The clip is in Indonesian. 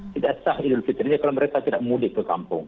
tidak sah idul fitrinya kalau mereka tidak mudik ke kampung